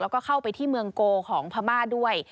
แล้วก็เข้าไปที่เมืองโกของพม่าด้วย